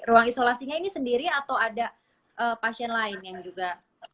ruang isolasinya ini sendiri atau ada pasien lain yang juga